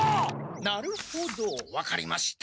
なるほど分かりました。